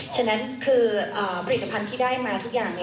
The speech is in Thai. ฉะนั้นคือผลิตภัณฑ์ที่ได้มาทุกอย่าง